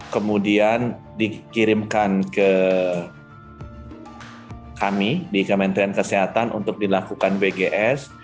kemudian dikirimkan ke kami di kementerian kesehatan untuk dilakukan bgs